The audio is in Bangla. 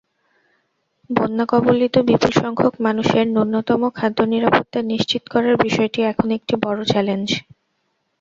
বন্যাকবলিত বিপুলসংখ্যক মানুষের ন্যূনতম খাদ্যনিরাপত্তা নিশ্চিত করার বিষয়টি এখন একটি বড় চ্যালেঞ্জ।